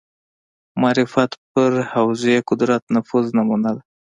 معرفت پر حوزې قدرت نفوذ نمونه ده